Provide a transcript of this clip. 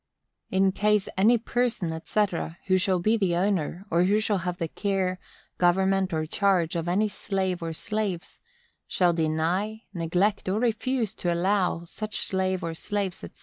In case any person, &c., who shall be the owner, or who shall have the care, government or charge, of any slave or slaves, shall deny, neglect or refuse to allow, such slave or slaves, &c.